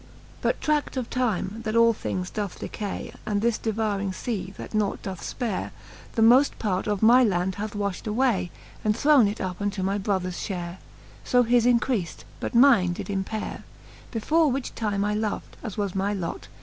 VIII. But tra<^ of time, that all things doth decay. And this devouring fea, that naught doth fpare. The mod part of my land hath wafht away, And thrown it up unto my brothers fhare : So his encreafed, but mine did empaire. Before which time I lov'd, as was my lot.